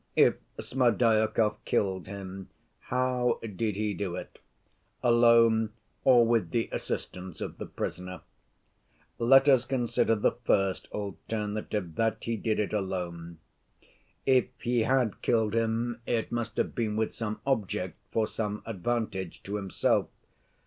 If Smerdyakov killed him, how did he do it? Alone or with the assistance of the prisoner? Let us consider the first alternative—that he did it alone. If he had killed him it must have been with some object, for some advantage to himself.